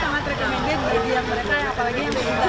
karena apalagi kita diorang siruk sekali